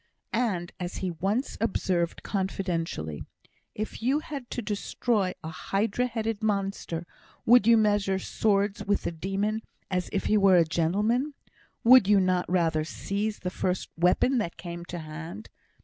And, as he once observed confidentially, "If you had to destroy a hydra headed monster, would you measure swords with the demon as if he were a gentleman? Would you not rather seize the first weapon that came to hand?